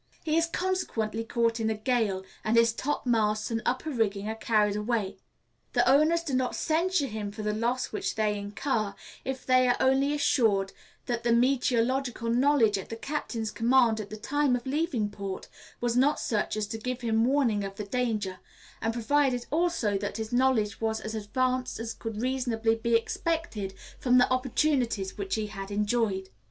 He is consequently caught in the gale, and his topmasts and upper rigging are carried away. The owners do not censure him for the loss which they incur, if they are only assured that the meteorological knowledge at the captain's command at the time of leaving port was not such as to give him warning of the danger; and provided, also, that his knowledge was as advanced as could reasonably be expected from the opportunities which he had enjoyed.